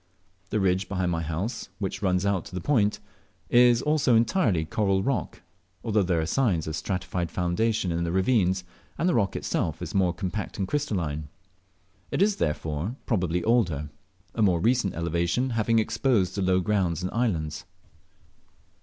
The ridge behind my house, which runs out to the point, is also entirely coral rock, although there are signs of a stratified foundation in the ravines, and the rock itself is more compact and crystalline. It is therefore, probably older, a more recent elevation having exposed the low grounds and islands.